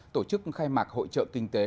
tổ chức khai mạc hội trợ kinh tế